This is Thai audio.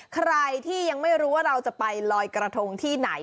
ใครที่ยังไม่รู้ว่าเราจะไปลอยกระทงที่ไหน